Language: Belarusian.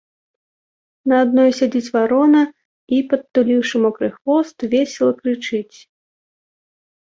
На адной сядзіць варона і, падтуліўшы мокры хвост, весела крычыць.